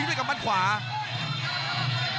คมทุกลูกจริงครับโอ้โห